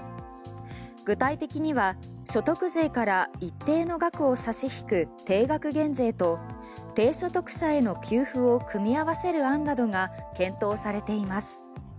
具体的には所得税から一定の額を差し引く定額減税と低所得者への給付を組み合わせる案などが検討されています。